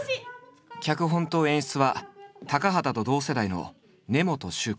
脚本と演出は高畑と同世代の根本宗子。